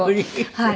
はい。